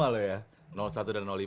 lima loh ya satu dan lima